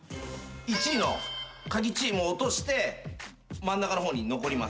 １位のカギチームを落として真ん中の方に残ります。